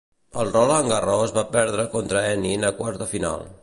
Al Roland Garros va perdre contra Henin a quarts de final.